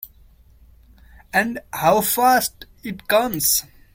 And how fast it comes!